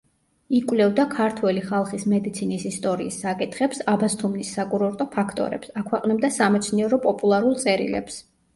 იკვლევდა ქართველი ხალხის მედიცინის ისტორიის საკითხებს, აბასთუმნის საკურორტო ფაქტორებს; აქვეყნებდა სამეცნიერო–პოპულარულ წერილებს.